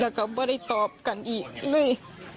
แล้วก็ไม่ได้ตอบกันอีกเลย